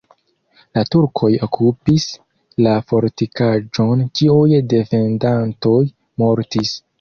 La turkoj okupis la fortikaĵon, ĉiuj defendantoj mortis.